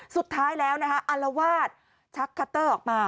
สุดท้ายแล้วนะคะอารวาสชักคัตเตอร์ออกมา